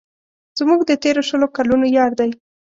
زموږ د تېرو شلو کلونو یار دی.